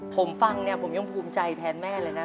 ผมฟังเนี่ยผมยังภูมิใจแทนแม่เลยนะ